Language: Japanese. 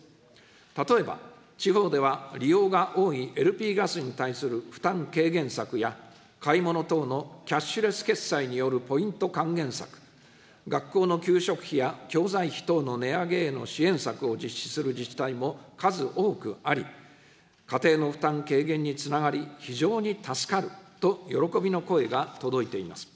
例えば、地方では利用が多いＬＰガスに対する負担軽減策や、買い物等のキャッシュレス決済によるポイント還元策、学校の給食費や教材費等の値上げへの支援策を実施する自治体も数多くあり、家庭の負担軽減につながり、非常に助かると喜びの声が届いています。